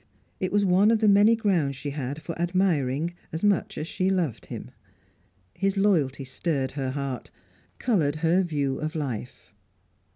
It was one of the many grounds she had for admiring as much as she loved him. His loyalty stirred her heart, coloured her view of life.